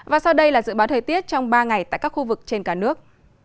và sau đây là dự báo thời tiết trong ba ngày tại các khu vực trên cả nước